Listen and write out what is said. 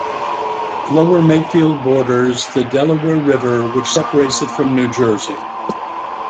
Lower Makefield borders the Delaware River which separates it from New Jersey.